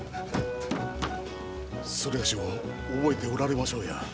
某を覚えておられましょうや。